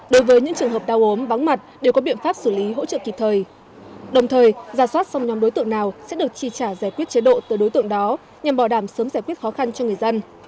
đối với những trường hợp đau ốm vắng mặt đều có biện pháp xử lý hỗ trợ kịp thời đồng thời giả soát xong nhóm đối tượng nào sẽ được chi trả giải quyết chế độ từ đối tượng đó nhằm bảo đảm sớm giải quyết khó khăn cho người dân